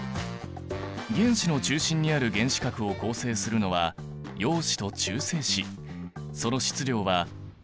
原子の中心にある原子核を構成するのは陽子と中性子。